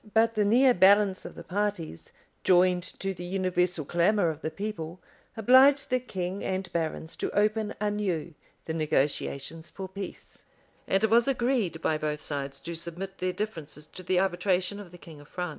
But the near balance of the parties, joined to the universal clamor of the people, obliged the king and barons to open anew the negotiations for peace; and it was agreed by both sides to submit their differences to the arbitration of the king of France.